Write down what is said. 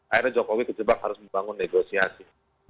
akhirnya jokowi kejebak harus membangun negosiasi